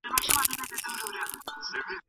که ابن بطوطه سفر نه وای کړی، دغه يونليک به نه و.